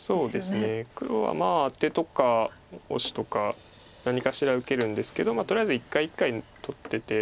黒はアテとかオシとか何かしら受けるんですけどとりあえず一回一回取ってて。